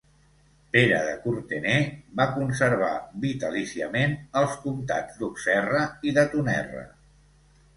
Pere de Courtenay va conservar vitalíciament els comtats d'Auxerre i de Tonnerre.